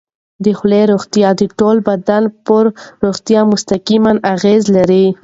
د خولې روغتیا د ټول بدن پر روغتیا مستقیمه اغېزه لري.